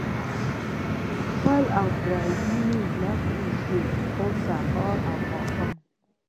خپل او پردي مې نه پرېږدي خو سهار او ماښام.